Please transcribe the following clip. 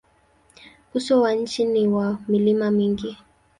Uso wa nchi ni wa milima mingi.